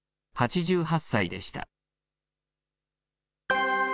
８８歳でした。